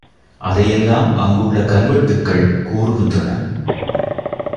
அதை எல்லாம் அங்குள்ள கல்வெட்டுக்கள் கூறுகின்றன.